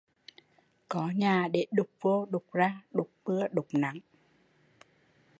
Có nhà để dụt vô dụt ra, dụt mưa dụt nắng